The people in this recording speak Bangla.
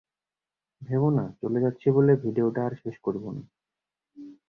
ভেবো না চলে যাচ্ছি বলে ভিডিওটা আর শেষ করব না।